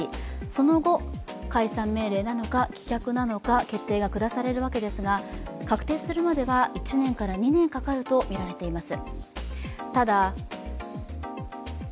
その後、解散命令なのか棄却なのか決定が下されるわけですが確定するまでは１年から２年かかると言われています。